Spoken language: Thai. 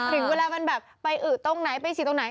ถึงเวลามันแบบไปอึตรงไหนไปฉีดตรงไหน